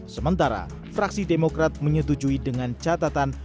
sementara fraksi demokrat menyetujui dengan catatan